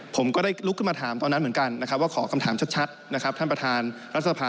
ผมก็ได้ลุกขึ้นมาถามตอนนั้นเหมือนกันนะครับว่าขอคำถามชัดนะครับท่านประธานรัฐสภา